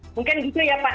mungkin gitu ya pak tri